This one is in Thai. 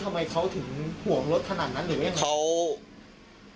ทำไมเขาถึงห่วงรถขนาดนั้นหรือเป็นยังไง